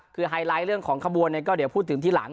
คือไฮไลท์เรื่องของขบวนเนี่ยก็เดี๋ยวพูดถึงทีหลัง